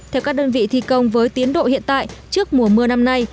theo các đơn vị thi công với tiến độ hiện tại trước mùa mưa năm nay